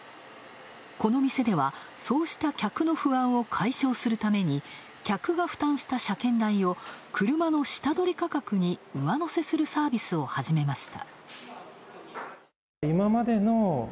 この店では、そうした客の不安を解消するために、客が負担した車検代を、車の下取り価格に上乗せするサービスを始めました。